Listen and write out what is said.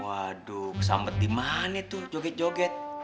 waduh kesambet dimana tuh joget joget